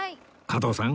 加藤さん